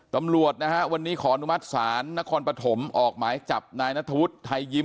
ตำรวจนะฮะวันนี้ขออนุมัติศาลนครปฐมออกหมายจับนายนัทธวุฒิไทยยิ้ม